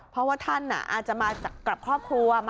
เพราะว่าท่านอาจจะมากับครอบครัว